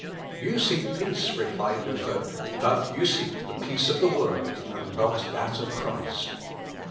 "You seek peace," replied Luther, "but you seek the peace of the world, and not that of Christ.